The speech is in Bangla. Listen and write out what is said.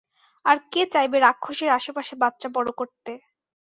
আর কে চাইবে রাক্ষসের আশেপাশে বাচ্চা বড় করতে।